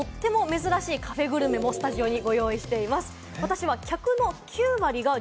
今回はとっても珍しいカフェグルメもスタジオにご用意しております。